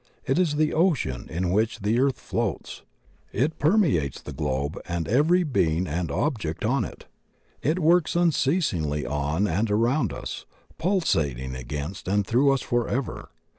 It is the ocean in which the earth floats; it permeates the globe and every being and object on it. It works unceasingly on and around us, pulsating against and through us forever.